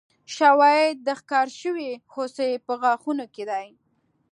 شواهد د ښکار شوې هوسۍ په غاښونو کې دي.